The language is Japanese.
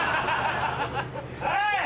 おい！